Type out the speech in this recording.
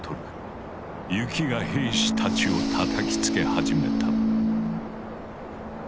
雪が兵士たちをたたきつけ始めた。